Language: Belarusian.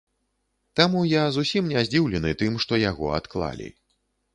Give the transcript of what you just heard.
Таму я зусім не здзіўлены тым, што яго адклалі.